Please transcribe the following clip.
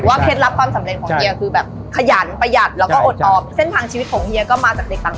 ก็คืนแยกไม่เสียไม่เสียต่อพี่เอง